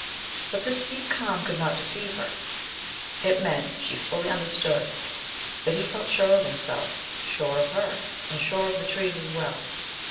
But this deep calm could not deceive her; it meant, she fully understood, that he felt sure of himself, sure of her, and sure of the trees as well.